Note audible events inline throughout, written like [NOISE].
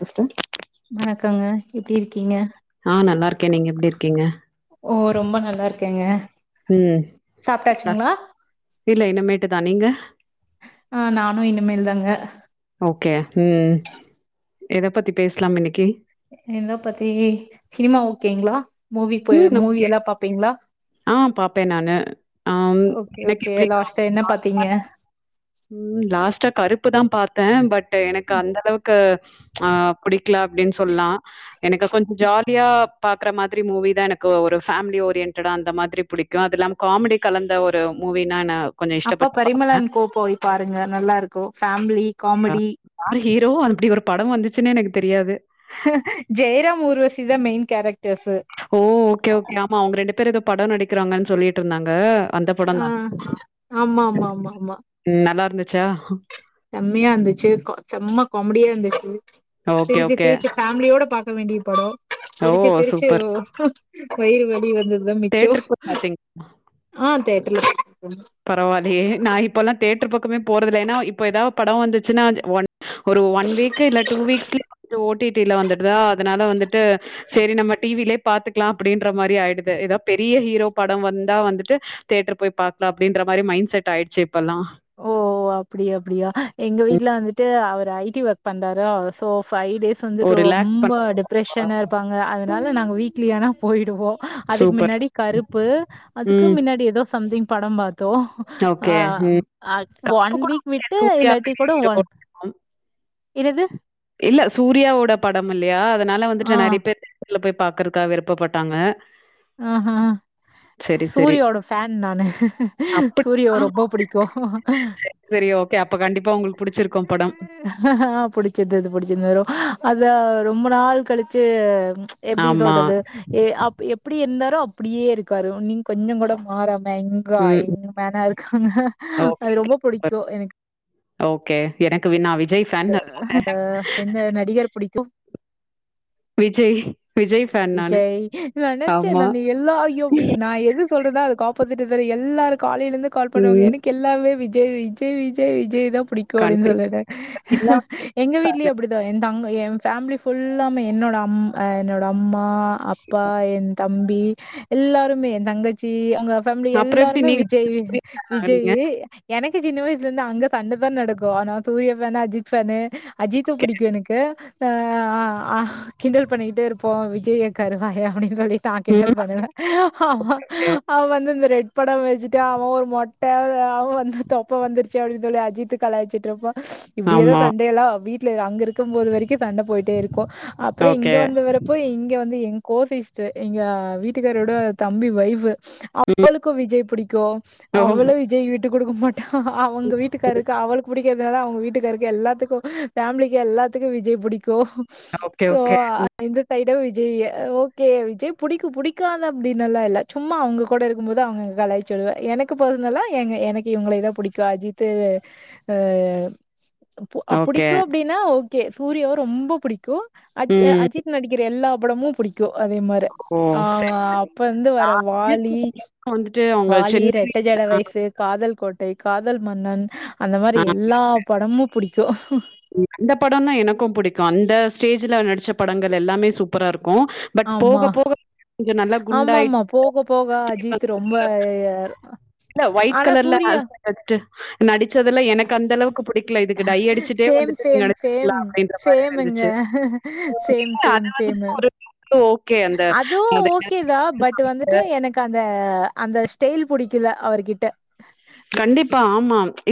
Sister வணக்கங்க எப்டி இருக்கீங்க ஆ நல்லா இருக்க நீங்க எப்டி இருக்கீங்க ஓ ரொம்ப நல்லா இருக்கேங்க ம் இல்ல சாப்ட்டாச்சுங்களா இல்ல இனமேட்டு தா நீங்க ஆ நானு இனிமேல் தாங்க ஓகே ம் எத பத்தி பேசுலாம் இன்னிக்கி எந்தோ பத்தி சினிமா ஓகேங்ளா மூவி போய் ம் மூவி ஓகே எல்லா பாப்பீங்ளா ஆ பாப்பே நானு ஆம் ஓகே எனக் ஓகே லாஸ்ட்டா என்ன பாத்தீங்க [INAUDIBLE] ம் லாஸ்டா கருப்பு தா பாத் பாத்த பட் இல்ல எனக்கு அந்த அளவுக்கு ஆ புடிக் க்ல அப்டின் சொல்லா எனக்கு கொஞ் ஜாலியா பாக்ற மாதிரி மூவி தா எனக்கு ஒரு பேமிலி ஓரியன் டடா அந்த மாதிரி புடிக்கும் அது இல்லாம காமெடி கலந்த ஒரு மூவினான அப்ப பரிமளா அண்ட் கோ போய் பாருங்க நல்லாருக்கும் ஃபேமிலி காமெடி யார் ஹீரோ அப்டி ஒரு படம் வந்துச்சுன்னே எனக்கு தெரியாது ஜெயராம் ஊர்வசிதா மெயின் கரெக் ஓ ஓகே ஓகே ஆமா அவுங்க ரெண்டு பேர் எதோ படொ நடிக்கிறாங்கன் சொல்லிட்ருந்தாங்க ஆ ஆமாமாமாமா ச்சா செம்மயா இந்துச்சு செம்ம காமெடியா இருந்துச்சு ஓகே, சிரிச்சு ஓகே. சிரிச்சு ஃபேமிலியோட பா க்க வேண்டிய படொ ஓ! சிரிச்சு சிரிச்சு சூப்பர். வயிறு வலி வந்த து தா மிச்சோ தியேட்டருக்கு போய் ஆ தெரி [INAUDIBLE] பரவால்லயே நா இப்பல்லா தேட்டர் பக்கமே போறதுல ஏனா இப்ப எதாவ படொ வந்துச்சுன்னா ஒன் ஒரு ஒன் வீக்கு இல்ல டூ வீக்ஸ்லயே வந்து ஓ டி டி ல வந்துடுதா அதுனால வந்துட்டு செரி நம்ம டி வி லே பாத்துக்லா அப்டின்ற மாரி ஆயிடுது எதா பெரிய ஹீரோ பட வந்தா வந்துட்டு தேட்டர் போய் பா க்லா அப்டின்ற மாரி மைண்ட் செட் ஆயிடுச்சு இ ஓ அப்டி அப்டியா எங்க ம். வீட்ல வந்துட்டு அவர் ஐ டி ஒர்க் பண்றாரா சோ ஃபை டேஸ் ஓ வந்துட்டு ரிலாக்ஸ் ரொம்ப பண்றதுக்காக. டிப்ரெஷனா இருப்பாங்க அதுனா ல நாங்க வீக்லியானா போயிடுவோ அதுக்கு சூப்பர். முன்னாடி கருப்பு அதுக்கு ம். முன்னாடி எதோ சம்திங் படம் பாத் தோ ஓகே. ஆ அம் ம். அ கருப்பு ஒன் கூட வீக் ஓகே. விட்டு சூர்யா இல்லாட்டி பெரிய கூட ஹீரோ. ஒன் ஆம். என்னது இல்ல சூர்யாவோட படம் இல்லயா அத னால ஆ வந்துட்டு நறைய பேர் ல போய் பாக்கறக்கா விருப்பப்பட்டாங்க ஆஹா சரி, சரி. சூரியாவோட ஃபேன் நானு அப்படி சூரியாவ ரொம்ப புடிக்கு கே அப்ப கண்டிப்பா உங்கள்க்கு புடிச்சது அது புடி [UNINTELLIGIBLE] அத ரொம்ப நாள் கழிச்சு எப்பிடி ஆமா. சொல்றது ஏ அப் எப்பிடி இருந்தாரோ அப்பிடியே இருக்காரு நீ கொஞ்சோ கூட மாறாம வே இங்கா ம். எங்க மேனா இரு அ ஓகே, அது ஓகே. ரொம்ப சூப்பர். புடிக்கு எனக் ஓகே. எனக்கு வின்னாவி எந்த நடிகர் புடிக்கு விஜய் விஜய் ஃபேன் நானு. விஜய் நெனச்சே ஆமா. நானு எல்லாயு நா எது சொல்றதா அதுக் ஆப்போஸிட்டா தெரி எல்லாருக் காலையிலந்து கால் பண்ணுவாங்க ம். எனக்கு எல்லாமே விஜ தே விஜய் விஜய் விஜய்தா புடிக்கு அடின்னு கண்டிப்பா. சொல்லற சின்ன வயசுல எங்க வீட்லியு ஃபேனு. அப்பிடிதா எந்தாங் ங்க ஏ ஃபேமிலி ஃபுல்லாமே என்னோட அம் ஆ என்னோட அம்மா அப்பா ஏ தம்பி எல்லாருமே ஏ தங்கச்சி அங்க ஃபேமிலி அப்புறம் எப்படி எல்லாருமே நீங்க விஜய் ஃபேன் ஆனீங்க? விஜயி எனக் கி சின்ன வயசுல இருந்து அங்க சாண்டதா நடக்கு ஆனா Suriya fan Ajith fan Ajith okay. புடிக்கு எனக்கு ச ஆ ஆ கிண்டல் பண்ணிக்கிட்டே இருப்போ விஜய் கருவாய அப்பிடின்னு சொல்லி தா ம். கிண்டல் பண்ணுவே ஆ ஓகே, ஓகே. அவ வந்து இந்த ரெட் பட வச்சுட்டு அவ ஒரு மொட்ட அவ வந்து தொப்ப வந்துருச்சி அப்பிடின்னு சொல்லி அஜித்து கயிச்சிட்டு இருப்போ ஆமா தா வீட்டுல அங்க இருக்கு போது வரைக்கு சண்டபோயிட்டே இருக் க்கு அப்புறோ ஓகே. இங்க வந்து வரப்போ இங் இங்க வந்து எங்க கோசிஸ்ட் எங்க வீட்டுகாரோட தம்பி வைஃப் ம். அவளுக்கு விஜய் புடிக் க்கோ ஓ! அவ்ளோ விஜய் வீட் விட்டு குடுக்க மாட்டா அவுங்க வீட்டுக்காருக்கு அவளுக்கு பிடி எதுனாலு அவுங்க வீட்டுக்காருக்கு எல்லா க்கும் பேமிலிக்கு எல்லாத்துக்கு விஜய் புடிக்கு கு ஓகே, சோ ஓகே. அ ம். த விஜய் ஓகே விஜய் புடிக்கு புடிக்காதுனு அப்டின்னு எல்லா இல்ல சும்மா அவுங்க கூட இருக்கு போது அவுங்க கலாய்சு விடுவே எனக்கு போதனல்லா எங்க எனக்கு இவங்கள பிடிக்கு அஜித்து அ அ ஓகே. புடிக்கு அப்டின்னா சூர்யாவ ரொம்ப பிடிக்கு அஜ் ம். அஜித் நடிக்குற எல்லா படமும் பிடிக்கு அதே மாரி ஓ! ஆ சரி, சரி. அப்ப வந்து வர நான் வாலி வந்துட்டு அவங்க வாலி சென்னை ரெட்ட ஜட ஆ, வயசு காதல் கோட்டை காதல் மன்னன் அந்த மாரி எல்லா படமு சோ இந்த படம்னா எனக்கு புடிக்கு அந்த ஸ்டேஜ்ல நடிச்ச படங்கள் எல்லாமே சூப்பரா இருக்கு ஆமா நல்லா ஆமா குண்டாயிட்டு ஆமா போக போக அஜித் ரொம்ப இல்ல ஒயிட் ஆனா கலர்ல சூர்யா [INAUDIBLE] நடிச்சதுல எனக்கு அந்த அளவுக்கு புடிக்கல இதுக்கு டைய அடிச்சுட்டே சேம் வந்துட்டு நீங்க சேம் நடிச்சிருக்கலா சேம் அப்டின்ற மாரி சேமுங்க இருந்துச்சு சேம் சேம் அது சேமு வந்து ஓகே அ அதுவு ஓகேதா பட் வந்துட்டு எனக்கு அந்த அந்த ஸ்டைல் புடிக்கல அவர்கிட்ட கண்டிப்பா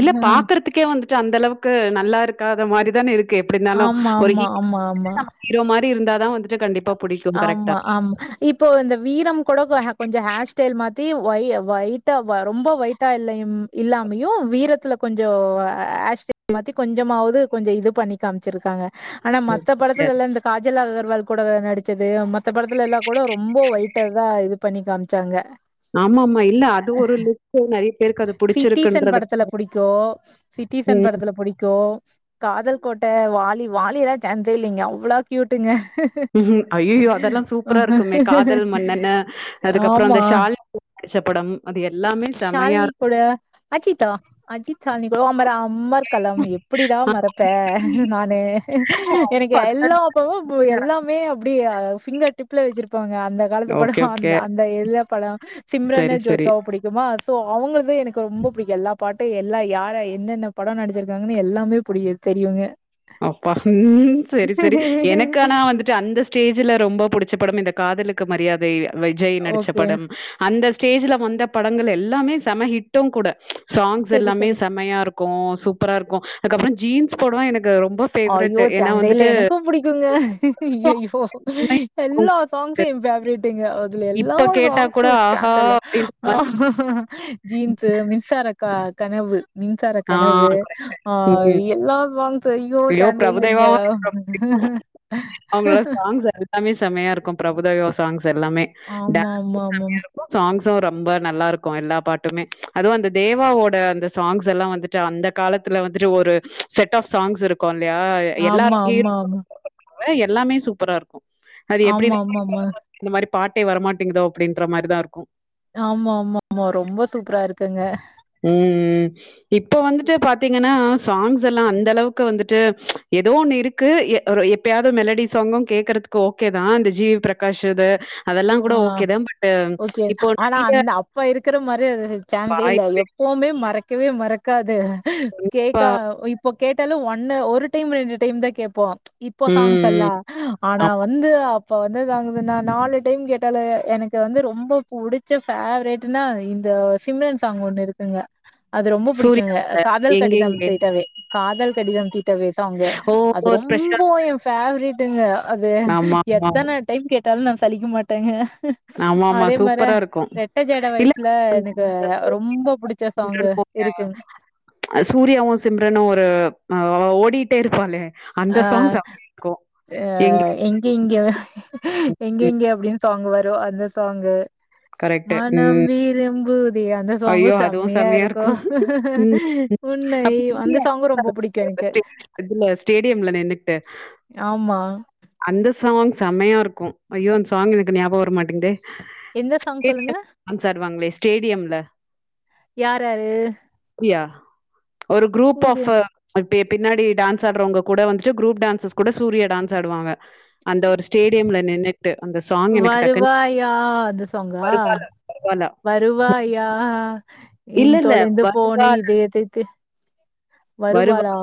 இல்ல ஆ பாக்குறதுக்கே வந்து அந்த அளவுக்கு நல்லா இருக்காத மாதிரி தானே இருக்கு எப்டி இருந்தாலு ஆமா, ஒரு ஆமா, ஹீரோ ஆமா, ஆமா, நம்ம ஹீரோ மாரி இருந்த தா வந்துட்டு கண்டிப்பா புடிக்கும். கரெக்ட்டா. ஆமா ஆமா இப்போ இந்த வீரம் கூட கொஞ்ச ஹேர்ஸ்டைல் மாத்தி ஒயிட்டா ரொம்ப ஒயிட்டா இல்ல இல்லாமையு வீரத்ல கொஞ்சோ ஆ ஹேர்ஸ்டைல் மாத்தி கொஞ்சமாவது கொஞ்சோ இது பண்ணி காமிச்சிருக்காங்க ஆனா மத்த படத்துல்லா இந்த காஜல் அகர்வால் கமல் கூட நடிச் நடிச்சது மத்த படத்ல எல்லா கூட ரொம்ப ஒயிட்ட தா இது பண்ணி காமிச்சாங்க ஆமா ஆமா இல்ல அது ஒரு லிப் சிட்டிசன் படத்ல புடிக்கு சிட்டிசன் ம். படத்ல புடிக்கு காதல் கோட்ட வாலி வாலியல்லா சான்சே இல்லங்க அவ்ளோ க்யூட்டுங்க ம் அய்அய்யோ அதெல்லா சூப்பரா இருக்குமே காதல் மன்னன்னு அதுக்கப்றோ ஆமா அந்த ஷால் செப்படம் ஷாலினி கூட அஜிதா அஜித் ஷாலினி கூட [UNINTELLIGIBLE] ம்மர்களம் எப்பிடிடா ஆமா. மறப்பே நானு எனக்கு எல்லா அப்பவு பு எல்லாமே அப்பிடி ஃபிங்கர் டிப்ல வச்சிருப்பாங்க இந்த காலத்து ஓகே படம் ஓகே அந்த அந்த எல்லா படம் சிம்ரனே சரி சரி ஜோத்தாவ புடிக் அ சோ அவங்களுக் து எனக்கு ரொம்ப புடிக்கு எல்லா பாட்டு எல்லா யார என்னென்ன படோ நடிச்சிருக்காங்கன்னு எல்லாமே புடிகு தெரியுங்க அப்பா ம் சேரி சேரி எனக்கானா வந்துட்டு அந்த ஸ்டேஜ்ல ரொம்ப புடிச்ச படம் இந்த காதலுக்கு மரியாதை விஜய் நடிச்ச ஓகே படம் அந்த ஸ்டேஜ்ல வந்த படங்கள் எல்லாமே செம ஹிட்டும் கூட சாங்ஸ் செரி எல்லாமே செரி செம்மையா இருக்கு சூப்பரா இருக்கு அதுக்கப்புறோ ஜீன்ஸ் படோ எனக் அய்யோ சான்ஸே இல்ல எனக்கு புடிக்குங்க ஐய்ஐய்யோ எல்லா சாங்ஸு ஏ பேவரேட்டுங்க ல்லாம் எல்லா இப்ப கேட்டா சாங்ஸ் கூட ஆஹா ச்சாஸ்ல்ல அப்படின்ற மாரி இருக்கு ஜீன்ஸ் மின்சார க கனவு மின்சார ஆ கனவு கரெக்ட் ஆ ம் எல்லா சாங்ஸ் த் ஐய்யோ ஐயோ சந்த இல்லிங்க அவங்களா சாங்ஸ் எ எல்லாமே செமா இருக்கு பிரபுதேவா சாங்ஸ் ஸ் எல்லாமே ஆமா, டான்ஸ்ம் ஆமா, செமயா ஆமாமா. இருக்கு சாங்ஸ் சோ ரொம்ப நல்லா இருக்கு எல்லா பாட்டுமே அதுவு அந்த தேவாவோட அந்த சாங்ஸ் எல்லா வந்துட்டு அந்த காலத்துல வந்துட்டு ஒரு செட் ஆஃப் சாங்ஸ் இருக்கு இல்லயா ஆமா, எல்லாதிலியு ஆமா, இருக்கு ஆமா. வ எல்லாமே சூப்பரா இருக்கு அது எப்டி ஆமா, ஆமாமா. [INAUDIBLE] இந்த மாரி பாட்டே வரமாட்டேங்குதோ அப்பிடின்ற மாரிதா இருக்கு ஆமா ஆமா ஆமா ரொம்ப சூப்பரா இருக்குங்க ம் ம் இப்ப வந்துட்டு பாத்தீங்கன்னா சாங்ஸ் எல்லா அந்த அளவுக்கு வந்துட்டு ஏதோ ஒண்ணு இருக்கு எ ஒரு எப்பயாது மெலடி சாங்கும் கேக்குறதுக்கு ஓகேதா இந்த ஜீ வி பிரகாஷுது ஆ ஓகே ஆனா நெறைய அந்த அப்ப இருக்கிற மாரி இது சான்சே இல்ல எ வாய்ப்பே ப்பவுமே மறக்கவே மறக்காது பா கேக்கா இப்போ கேட்டாலு ஒன்ன ஒரு டைம் ரெண்டு டைம்தா கேப்போ இப்போ ம், சாங்ஸ் ம். எல்லா ஆனா ஆமா. வந்து அ இப்ப வந்து இது ஆகுதுன்னா நாலு டைம் கேட்டாலே எனக்கு வந்து ரொம்ப புடிச்ச ஃபேவரேட்னா இந்த சிம்ரன் சாங் ஒண்ணு இருக்குங்க அது ரொம்ப சூர்யா பிடிக்குங்க அ கூட காதல் கடிதம் எங்கெங்கே, தீட்டவே காதல் கடிதம் தீட்டவே சாங்கு ஓ! அது ரொம்ப பிரசாந்த். என் ஃபேவரைட் ட்டங்க அது ஆமாமா. எத்தன டைம் கே ட்டாலு நா சலிக்க மாட்டேங்க ஆமா ஆமா அதே மார சூப்பரா இருக்கு ரெட்ட ஜட இல்ல [INAUDIBLE] வயசுல எனக்கு ரொம்ப புடிச்ச சாங்கு இருக்குங் அது சூர்யாவு சிம்ரனு ஒரு ஆ ஓ டிட்டே இருப்பாளே அந்த ஆ சாங்ஸ் செம்மையா இருக்கும். ஆ எங்க எங்கெங்கே ம். எங்கெங்கே அப்பிடின்னு சாங்கு வ ரு அந்த சாங்கு கரெக்ட்டு. மனம் ம். விரும்பு தே அந்த சாங்கு ஐயோ! அதுவும் செமையா செம்மையா இருக்கு இருக்கும். ம். உன்னை அப்ப அந்த சாங்கு ரொம்ப புடிக்கு எனக்கு டியம்ல நின்னுட்டு ஆ அந்த சாங் செமையா இருக்கு ஐயோ அந்த சாங் எனக்கு ஞாபகோ வரமாட்டேங்குதே எந்த சாங் சொல்லுங்க ஸ்டேடியம் டான்ஸ் ஆடுவாங்களே ஸ்டேடியம்ல யார் யாரு அப்டியா ஒரு குரூப் ஆஃப் சூர்யா அ ப்டியே பின்னாடி டான்ஸ் ஆடுறவங்க கூட வந்துட்டு குரூப் டான்ஸர்ஸ் கூட சூர்யா டான்ஸ் ஆடுவாங்க அந்த ஒரு ஸ்டேடியம்ல நின்னு வருவாயா அது சாங்கா வருவாளா, வருவாளா. வருவாயா எ இல்ல, இல்ல. தொழந்து போன வருவாள், இதயத்தை தி வருவா. வருவாளா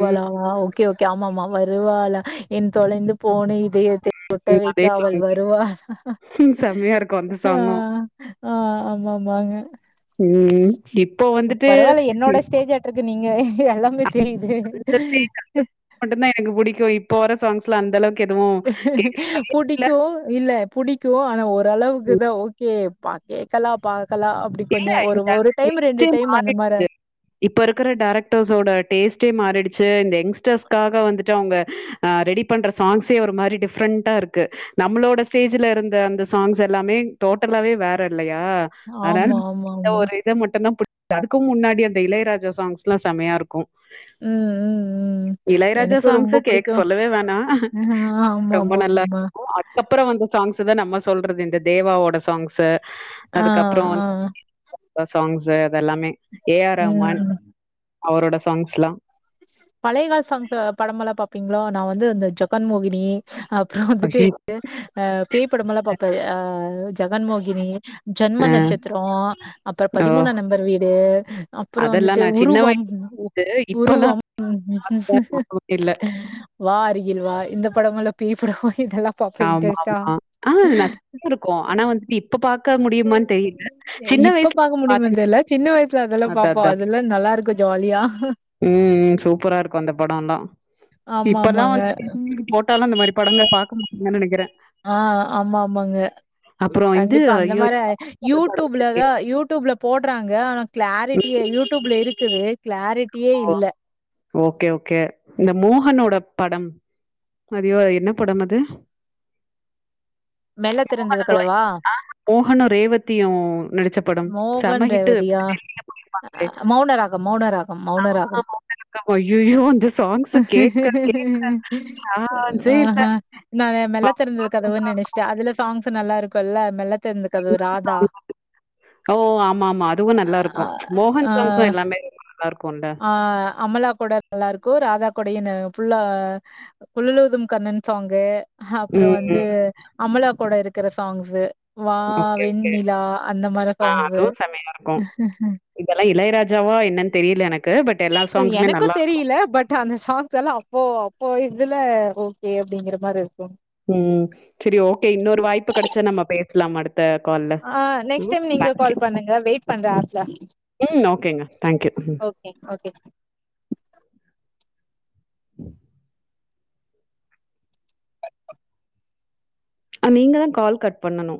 ம். ஆ ஓகே ஓகே கியாமாமா வருவால என் தொலைந்து போன இ இதெய்த்தை கொட்ட ம். வைக்க அதே அவள் சாங். வருவாலா செம்மையா இருக்கும் அந்த ஆ சாங்கும். ஆ ஆமா மாங்க ம் இப்போ வந்துட்டு பரவாயில்ல என்னோட ஸ்டேஜ் ஆ அட் நீங்க எல்லாமே [UNINTELLIGIBLE] மட்டுந்தா எனக்கு பிடிக்கு இப்போ வர சாங்ஸ்லா அந்தலவ்க் புடிக்கு இல்ல புடிக்கு ஆனா ம். ஓரளவுக்குதா ஓகே பா கேக்கலா பா இல்ல இந்த வெயிட்டே டைம் அந்த மாரி மாறிடுச்சு இப்ப இருக்கிற டைரக்டர்ஸோட டேஸ்ட்டே மாறிடுச்சு ச்சு இந்த எங்ஸ்டர்ஸ்காக வந்துட்டு அவங்க ஆ ரெடி பண்ற சாங்ஸே ஒரு மாதிரி டிஃப்ரெண்ட்டா இருக்கு நம்மளோட ஸ்டேஜ்ல இருந்த அந்த சாங்ஸ் எல்லாமே டோட்டலாவே வேற இல்லையா ஆனா ஆமா, ஆமா, இந்த ஆமா. ஒரு இத மட்டுந்தா புடி அதுக்கு முன்னாடி அந்த இளையராஜா சாங்ஸ் எல்லா செமையா இருக்கு ம், ம், ம். இளையராஜா எனக்கும் சாங்ஸ்ஸ ரொம்ப கேக் புடிக்கும். சொல்லவே வேணா ஆமா, ரொம்ப ஆமா, நல்லா ஆமாமா. இருக்கு அதுக்கப்புறோ வந்த சாங்ஸ் ததா நம்ம சொல்றது இந்த தேவாவோட சாங்ஸ்ஸ ஆ ஆ ந்த சாங்ஸ்ஸ அதெல்லாமே ஏ ஆர் ரஹ்மான் ம். அவரோட சாங்ஸ்லா பாப்பிங்களா நா வந்து அந்த ஜகன் மோகினி ஆ அப்றோ வந்துட்டு அ பேய் படம் எல்லா பாப்பே ஆ ஜகன்மோகினி ஜன்ம அ நட்சத்திரோ அப்றோ ஓ! பதிமூணாம் நம்பர் வீடு அப்பறோ அதெல்லாம் வந்துட்டு நான் சின்ன உருவம் வயசுல இப்பலாம் உருவம் பாத்தா ஞாபகமே இல்ல. வா அருகில் வா இந்த படமல்லா பேய் படோய் ஆமா ஆமா ஆ நா [INAUDIBLE] இருக்கு ஆனா வந்துட்டு இப்ப பா பாக்க முடியுமானு தெரியல சின்ன இப்ப வயசுல பாக்க முடியுமா தெர்ல சின்ன வயசுல அதெல்லா [INAUDIBLE] அத பாப்போ அதா அதெல்லா நல்லா இருக்கு ஜாலியா உ உ சூப்பரா இருக்கு அந்த படம்லா ஆமா இப்பலா ஆமாங்க வந்து டி வில போட்டாலு அந்த மாதிரி படங்கள்ல பாக்க முடி ன நெனக்கிறே ஆ ஆமா ஆமாங்க அப்புறம் இது கண்டிப்பா அந்த ஐயோ! மாரி அந்த படம் இருக்கே. யூடூப்லதா யூடூப்ல போட்றாங்க ஆனா க்ளாரிட்டியே யூடியூப்ல இருக்குது க்ளாரிட்டியே ஓ! இல்ல ஓகே ஓகே இந்த மோகனோட படம் அதியோ என்ன படம் அது [INAUDIBLE] மெல்ல திறந்தது கதவா மோகனு ரேவதியு நடுச்ச படம் மோகன் செம ஹிட்டு ரேவதியா டெல்லில போய் அ இருப்பாங்ளே மௌனராகம் மௌனராகம் மௌனராகம் [INAUDIBLE] அய்யயோ அந்த சாங்ஸ கேக்க கேக்க சான்ஸே இல்ல ஆஹ நா மெல்ல அவ்ளோ திறந்தது கதவுன் சூப்பரா இருக்கு நெனச்ட்டே அதுல சாங்ஸ் நல்லாருக்குல்ல மெல்ல தெறந்த கதவு ஹிந்தி ராதா சாங் அது. ஓ ஆமா ஆமா அதுவு நல்லாருக்கு அ மோகன் ஆ சாங்ஸு எல்லாமே [INAUDIBLE] நல்லாருக்குல்ல தா கொடயுன்னு ஃபுல்லா குழலூதும் கண்ணன் சாங்கு அப்றொ ம் வந்து ம் அமலா கூட இருக்குற சாங்ஸு வா ஓகே ஓகே வெண்ணிலா அந்த மார ஆ அதுவு செமையா இருக்கு இதெல்லா இளையராஜாவா என்னன் தெரியல எனக் எனக்கு தெரியில பட் அந்த சாங்ஸல்லா அப்போ அப்போ இ துல ஓகே அப்டிங்கற மாரி இருக்கு ம் செரி ஓகே இன்னொரு வாய்ப்பு கெடச்சா நம்ம பேசலாம் அடு ஆ நெக்ஸ்ட் டைம் நீங்க கால் பண்ணுங்க வெயிட் பண்ற ஆ ப்ல ம் ஓகேங்க தாங்க்யூ ம் ஓகே [UNINTELLIGIBLE] அ நீங்க தா கால் கட் பண்ணனு